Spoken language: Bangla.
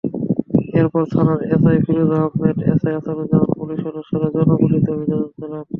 এরপর থানার এসআই ফিরোজ আহম্মেদ, এএসআই আসাদুজ্জামানসহ পুলিশ সদস্যরা যৌনপল্লিতে অভিযান চালান।